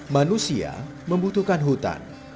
manusia membutuhkan hutan